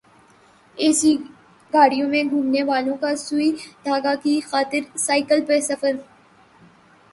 اے C گاڑیوں میں گھومنے والوں کا سوئی دھاگا کی خاطر سائیکل پر سفر